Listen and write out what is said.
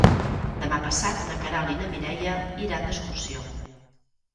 Demà passat na Queralt i na Mireia iran d'excursió.